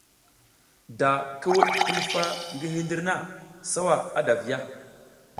Da ki wuɗ hilfa ngi hindir na, sawa ada a viya.